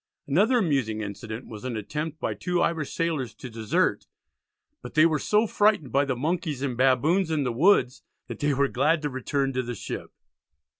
Another amusing incident was an attempt by two Irish sailors to desert, but they were so frightened by the monkeys and baboons in the woods, that they were glad to return to the ship.